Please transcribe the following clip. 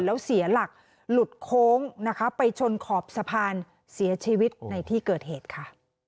แล้วเสียหลักหลุดโค้งนะคะไปชนขอบสะพานเสียชีวิตในที่เกิดเหตุค่ะ